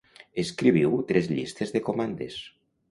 Escriviu tres llistes de comandes.